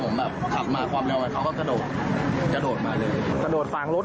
วิ่งมากระโดดเขากดกออกไปให้ผมช้วน